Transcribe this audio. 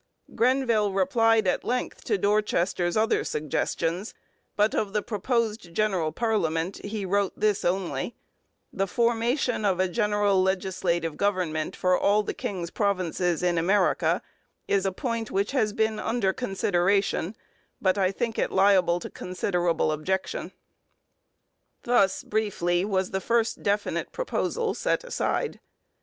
Grenville replied at length to Dorchester's other suggestions, but of the proposed general parliament he wrote this only: 'The formation of a general legislative government for all the King's provinces in America is a point which has been under consideration, but I think it liable to considerable objection.' Thus briefly was the first definite proposal set aside.